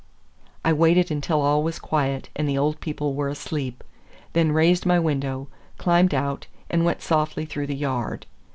I waited until all was quiet and the old people were asleep, then raised my window, climbed out, and went softly through the yard.